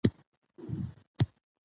مشاور وویل چې حل مناسب دی.